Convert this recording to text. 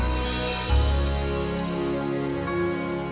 oke terima kasih bang